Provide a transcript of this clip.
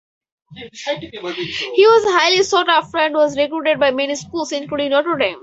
He was highly sought after and was recruited by many schools, including Notre Dame.